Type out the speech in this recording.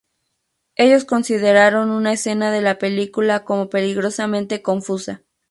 Ellos consideraron una escena de la película como peligrosamente confusa.